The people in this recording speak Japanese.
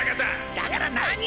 だから何！